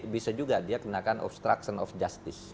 bisa juga dia kenakan obstruction of justice